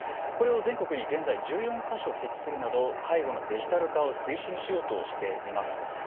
これを全国に現在１４か所設置するなど介護のデジタル化を推進しようとしています。